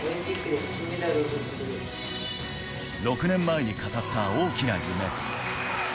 ６年前に語った大きな夢。